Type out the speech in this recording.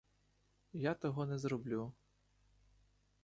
Я того не зроблю.